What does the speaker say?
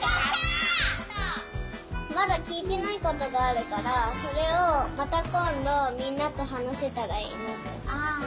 まだきいてないことがあるからそれをまたこんどみんなとはなせたらいいな。